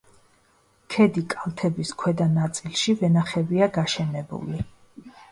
ქედი კალთების ქვედა ნაწილში ვენახებია გაშენებული.